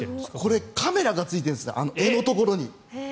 これカメラがついているんです柄のところに。